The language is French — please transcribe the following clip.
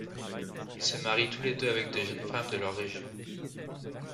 Ils se marient tous les deux avec des jeunes femmes de leur région.